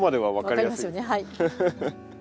はい。